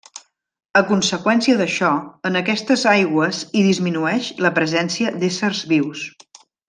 A conseqüència d'això, en aquestes aigües hi disminueix la presència d'éssers vius.